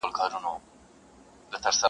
او د ټولني د فکر په ژورو کي ژوند کوي.